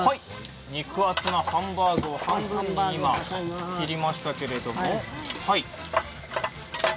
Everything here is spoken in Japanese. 肉厚のハンバーグを半分に今、切りましたけども。